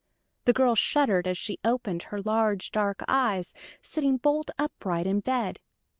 The girl shuddered as she opened her large dark eyes, sitting bolt upright in bed.